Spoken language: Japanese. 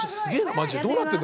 マジでどうなってんだ？